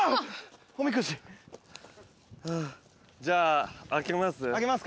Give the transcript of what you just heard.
じゃあ開けます？